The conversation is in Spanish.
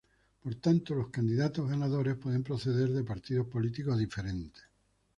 Por tanto, los candidatos ganadores pueden proceder de partidos políticos diferentes.